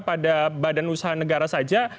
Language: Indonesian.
pada badan usaha negara saja